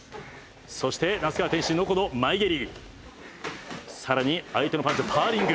「そして那須川天心のこの前蹴り」「さらに相手のパンチをパーリング。